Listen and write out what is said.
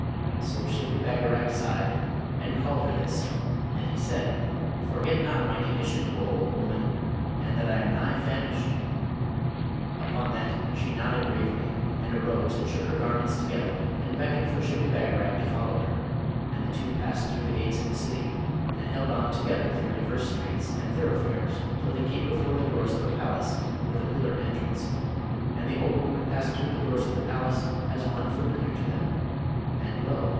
So Shibli Bagarag sighed, and called her this, and he said, 'Forget not my condition, O old woman, and that I am nigh famished.' Upon that she nodded gravely, and arose and shook her garments together, and beckoned for Shibli Bagarag to follow her; and the two passed through the gates of the city, and held on together through divers streets and thoroughfares till they came before the doors of a palace with a pillared entrance; and the old woman passed through the doors of the palace as one familiar to them, and lo!